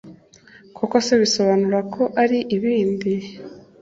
koko se bisobanura ko ari ibindi